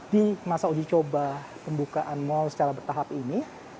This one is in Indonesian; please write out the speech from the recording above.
di masa uji coba pembukaan mal secara bertahap ini